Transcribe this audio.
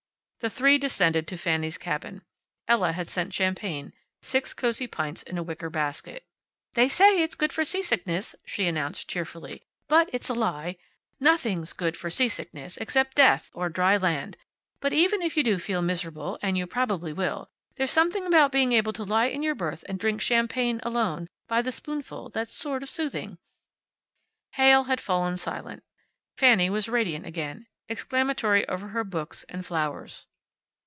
The three descended to Fanny's cabin. Ella had sent champagne six cosy pints in a wicker basket. "They say it's good for seasickness," she announced, cheerfully, "but it's a lie. Nothing's good for seasickness, except death, or dry land. But even if you do feel miserable and you probably will there's something about being able to lie in your berth and drink champagne alone, by the spoonful, that's sort of soothing." Heyl had fallen silent. Fanny was radiant again, and exclamatory over her books and flowers.